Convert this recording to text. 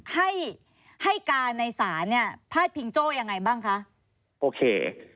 ให้ให้การในศาลเนี่ยพาดพิงโจ้ยังไงบ้างคะโอเค